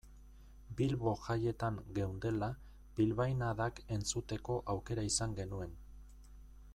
Bilbo jaietan geundela bilbainadak entzuteko aukera izan genuen.